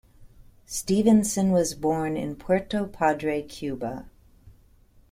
Stevenson was born in Puerto Padre, Cuba.